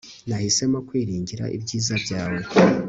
Nahisemo kwiringira ibyiza byawe